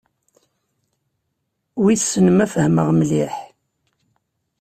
Wissen ma fehmeɣ mliḥ.